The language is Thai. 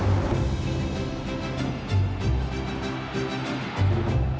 แล้วก็กำหนดทิศทางของวงการฟุตบอลในอนาคต